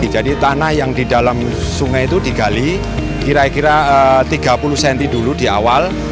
jadi tanah yang di dalam sungai itu digali kira kira tiga puluh cm dulu di awal